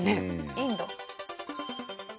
いいんだ。